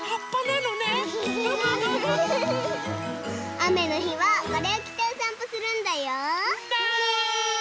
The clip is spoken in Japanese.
あめのひはこれをきておさんぽするんだよ。ね。